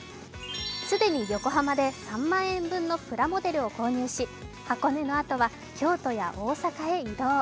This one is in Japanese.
既に横浜で３万円分のプラモデルを購入し箱根のあとは京都や大阪へ移動。